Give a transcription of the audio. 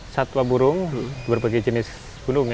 satwa burung berbagai jenis gunung